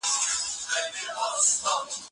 زخمونه باید په خورا ډېر احتیاط سره ومینځل شي.